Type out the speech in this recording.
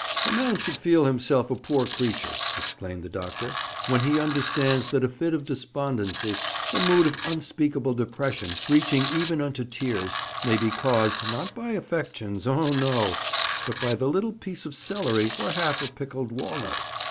'A man should feel himself a poor creature,' exclaimed the doctor, 'when he understands that a fit of despondency, a mood of unspeakable depression, reaching even unto tears, may be caused, not by the affections oh no! but by a little piece of celery, or half a pickled walnut.'